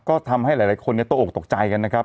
ก็ทำให้หลายคนตกออกตกใจกันนะครับ